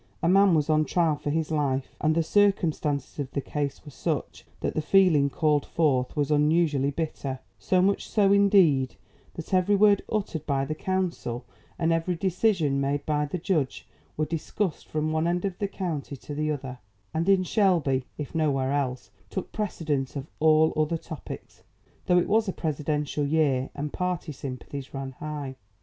A man was on trial for his life and the circumstances of the case were such that the feeling called forth was unusually bitter; so much so, indeed, that every word uttered by the counsel and every decision made by the judge were discussed from one end of the county to the other, and in Shelby, if nowhere else, took precedence of all other topics, though it was a Presidential year and party sympathies ran high.